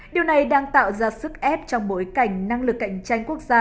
điều này đang tạo ra sức ép trong bối cảnh năng lực cạnh tranh quốc gia